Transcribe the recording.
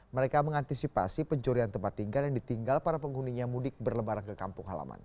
mereka mengantisipasi pencurian tempat tinggal yang ditinggal para penghuninya mudik berlebaran ke kampung halaman